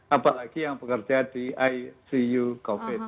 apalagi yang bekerja di icu covid